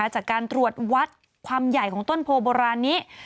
จากการตรวจวัดความใหญ่ของต้นโพโบราณนี้